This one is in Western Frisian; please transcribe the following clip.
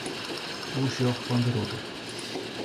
Oersjoch fan 'e rûte.